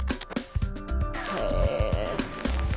へえ。